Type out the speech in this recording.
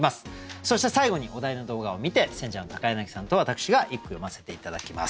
そして最後にお題の動画を観て選者の柳さんと私が一句詠ませて頂きます。